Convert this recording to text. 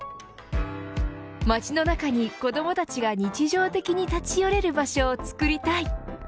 街の中に子どもたちが日常的に立ち寄れる場所を作りたい。